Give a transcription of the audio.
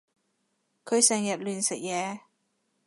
佢成日亂食嘢